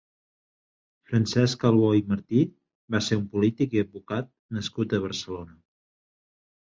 Francesc Albó i Martí va ser un polític i advocat nascut a Barcelona.